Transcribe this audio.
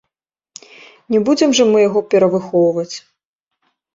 Не будзем жа мы яго перавыхоўваць.